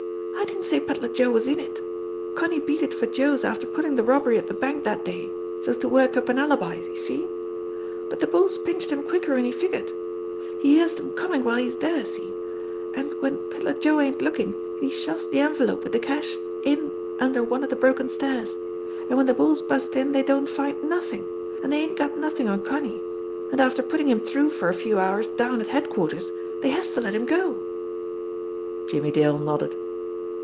"I didn't say Pedler Joe was in it. Connie beat it for Joe's after pullin' de robbery at de bank dat day, so's to work up an alibi see? But de bulls pinched him quicker'n he fig ured. He hears dem comin' while he's dere see ? an' w'en Pedler Joe ain't lookin' he shoves de envelope wid de cash u\ under one of de broken stairs, an' w'en de bulls bust in dey don't find nothin', an' dey ain't got nothin' on Connie, an' after puttin' him through for a few hours down at head quarters dey has to let him go." Jimmie Dale nodded.